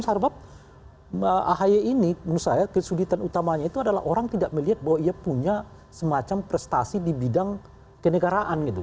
sebab ahy ini menurut saya kesulitan utamanya itu adalah orang tidak melihat bahwa ia punya semacam prestasi di bidang kenegaraan gitu